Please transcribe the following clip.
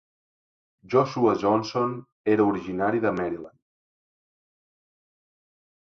Joshua Johnson era originari de Maryland.